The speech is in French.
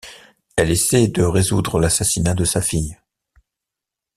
Elle essaie de résoudre l'assassinat de sa fille.